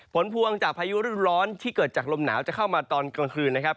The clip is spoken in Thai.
พวงจากพายุรุ่นร้อนที่เกิดจากลมหนาวจะเข้ามาตอนกลางคืนนะครับ